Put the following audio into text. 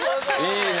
いいね。